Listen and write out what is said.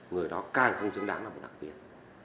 người đó càng không xứng đáng là đặc biệt